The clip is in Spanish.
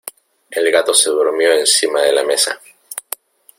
El gato se durmió encima de la mesa.